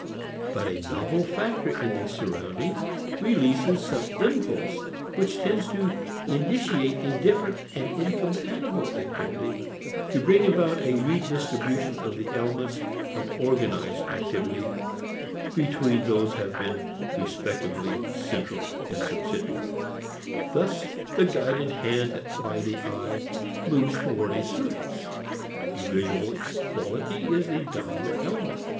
But a novel factor in the surroundings releases some impulse which tends to initiate a different and incompatible activity, to bring about a redistribution of the elements of organized activity between those have been respectively central and subsidiary. Thus the hand guided by the eye moves toward a surface. Visual quality is the dominant element.